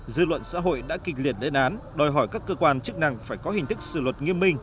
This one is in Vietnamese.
dư luận xã hội đã kịch liệt lên án đòi hỏi các cơ quan chức năng phải có hình thức xử luật nghiêm minh